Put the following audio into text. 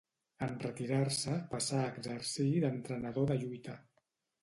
En retirar-se passà a exercir d'entrenador de lluita.